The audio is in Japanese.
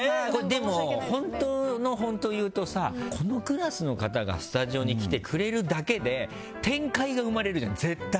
でも、本当の本当を言うとさこのクラスの方がスタジオに来てくれるだけで展開が生まれるじゃん、絶対。